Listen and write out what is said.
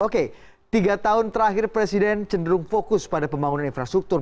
oke tiga tahun terakhir presiden cenderung fokus pada pembangunan infrastruktur